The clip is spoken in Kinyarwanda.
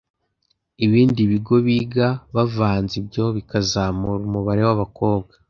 ibindi bigo biga bavanze ibyo bikazamura umubare w’abakobwa